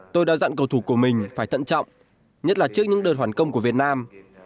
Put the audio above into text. tôi đa dặn cầu thủ của mình phải thận trọng nhất là trước những đợt hoàn công của việt nam